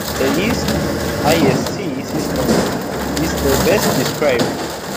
The yeast isc system is the best described.